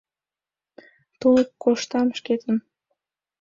Тулык коштам шкетын.